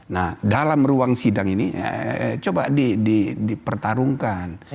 nah dalam ruang sidang ini coba dipertarungkan